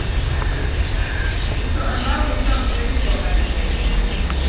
mto ambao hutoa mtiririko wa maji kwenye